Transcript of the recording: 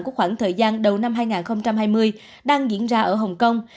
của khoảng thời gian đầu năm hai nghìn hai mươi đang diễn ra ở hồng kông